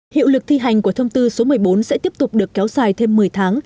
hiệu lực thi hành của thông tư số một mươi bốn sẽ tiếp tục được kéo dài thêm một mươi tháng